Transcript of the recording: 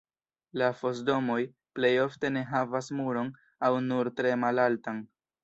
La fos-domoj plej ofte ne havas muron aŭ nur tre malaltan.